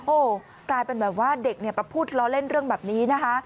โอ้โหกลายเป็นแบบว่าเด็กเนี่ยมาพูดล้อเล่นเรื่องแบบนี้นะคะ